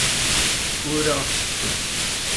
Ur aɣ-ttettu!